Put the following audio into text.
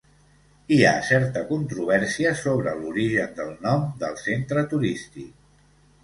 Hi ha certa controvèrsia sobre l'origen del nom del centre turístic.